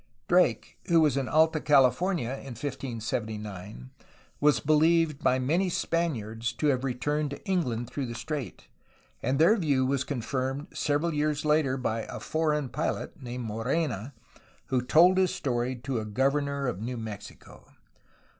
Drake, who was in Alta California in 1579, was believed by many Spaniards to have returned to England through the strait, and their view was confirmed several years later by '^a foreign pilot'' named Morena, who told his story to a governor of New Mexico.